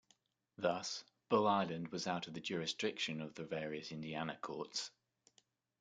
Thus, Bull Island was out of the jurisdiction of the various Indiana courts.